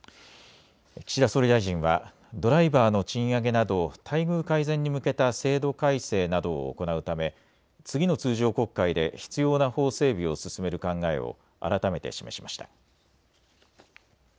岸田総理大臣はドライバーの賃上げなど待遇改善に向けた制度改正などを行うため次の通常国会で必要な法整備を進める考えを改めて示しました。